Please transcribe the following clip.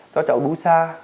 cho cháu đu xa